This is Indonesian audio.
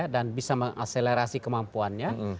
dan bisa mengakselerasi kemampuannya